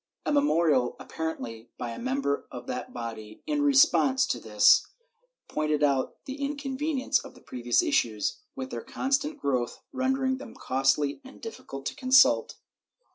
A me morial, apparently by a member of that body, in response to this, pointed out the inconvenience of the previous issues, with their constant growth, rendering them costly and difficult to consult.